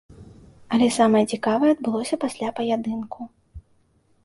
Але самае цікавае адбылося пасля паядынку.